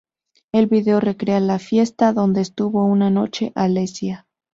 El vídeo recrea la fiesta donde estuvo una noche Alessia.